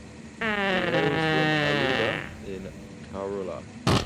He hails from Aluva in Kerala.